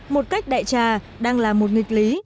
một cách đại trà đang là một nghịch lý